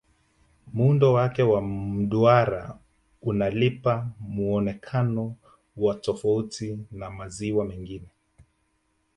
muundo Wake wa mduara unalipa muonekano wa tafauti na maziwa mengine